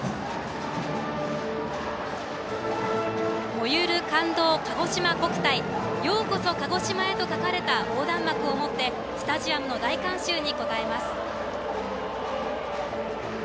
「燃ゆる感動かごしま国体」「ようこそ鹿児島へ」と書かれた横断幕を持ってスタジアムの大観衆に応えます。